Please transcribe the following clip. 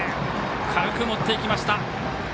軽く持っていきました。